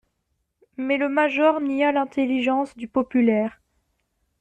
Mais le major nia l'intelligence du populaire.